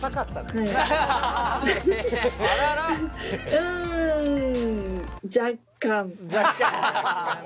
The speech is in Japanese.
うん若干。